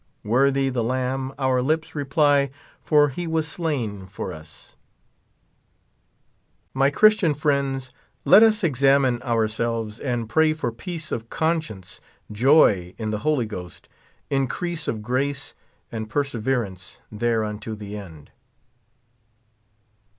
Worthy the Lamb, our lips reply, For he was slain for us I 41 My Christian friends, let us examine ourselves, and l^TRj for peace of conscience, jo^ in the Holy Ghost, in crease of grace, ahd perseverence there unto the end.